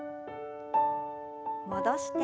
戻して。